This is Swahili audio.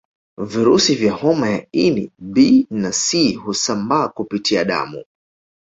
Virusi vya homa ya ini B na C husambaa kupitia damu